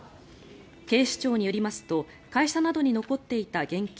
警視庁によりますと会社などに残っていた現金